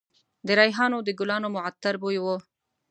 د ریحانو د ګلانو معطر بوی و